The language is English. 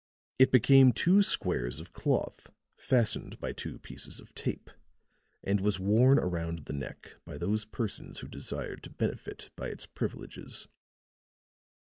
It became two squares of cloth fastened by two pieces of tape, and was worn around the neck by those persons who desired to benefit by its privileges.